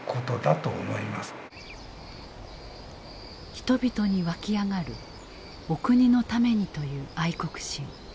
人々に湧き上がるお国のためにという愛国心。